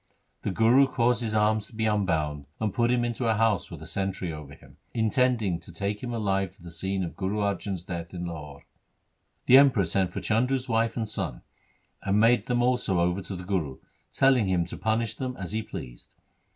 The Guru caused his arms to be unbound, and put him into a house with a sentry over him, intending to take him alive to the scene of Guru Arjan's death in Lahore. The Emperor sent for Chandu' s wife and son, and made them also over to the Guru, telling him to punish them as he pleased.